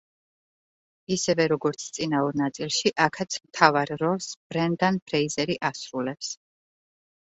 ისევე როგორც, წინა ორ ნაწილში, აქაც მთავარ როლს ბრენდან ფრეიზერი ასრულებს.